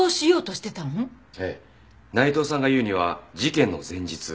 内藤さんが言うには事件の前日。